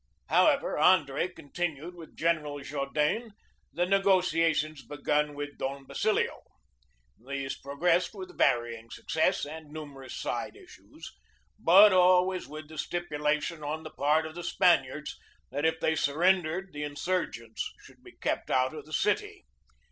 However, Andre continued with General Jaudenes the negotiations begun with Don Basilio. These progressed with varying success and numerous side issues, but always with the stipulation on the part of the Spaniards that if they surrendered the insur gents should be kept out of the city.